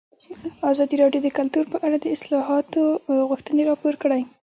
ازادي راډیو د کلتور په اړه د اصلاحاتو غوښتنې راپور کړې.